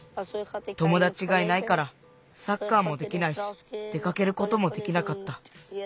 ともだちがいないからサッカーもできないしでかけることもできなかった。